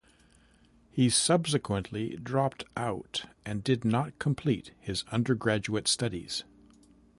He subsequently dropped out and did not complete his undergraduate studies.